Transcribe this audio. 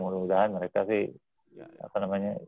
mudah mudahan mereka sih apa namanya